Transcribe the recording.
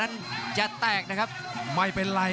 รับทราบบรรดาศักดิ์